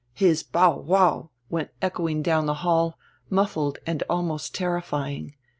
His "bow wow" went echoing down tire hall, muffled and alnrost terrifying.